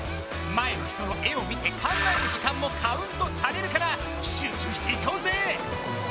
前の人の絵を見て考える時間もカウントされるからしゅうちゅうしていこうぜ！